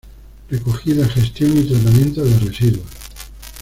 Recogida, gestión y tratamiento de residuos.